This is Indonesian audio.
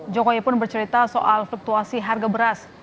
jokowi pun bercerita soal fluktuasi harga beras